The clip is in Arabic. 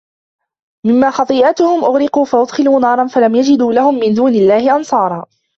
مِمّا خَطيئَاتِهِم أُغرِقوا فَأُدخِلوا نارًا فَلَم يَجِدوا لَهُم مِن دونِ اللَّهِ أَنصارًا